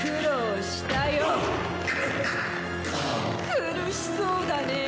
苦しそうだねぇ。